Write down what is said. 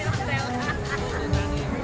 barang juga ganti